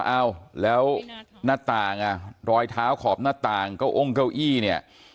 เอ้าแล้วหน้าต่างอ่ะรอยเท้าขอบหน้าต่างเก้าอ้งเก้าอี้เนี่ย